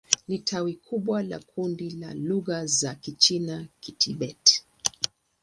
Ni tawi kubwa la kundi la lugha za Kichina-Kitibet.